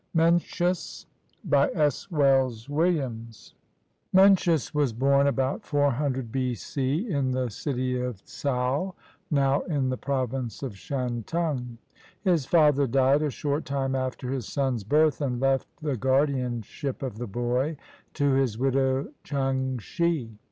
MENCIUS BY S. WELLS WILLLUIS Mencius was born about 400 b.c, in the city of Tsau, now in the Province of Shantung. His father died a short time after his son's birth and left the guardianship of the boy to his widow Changshi.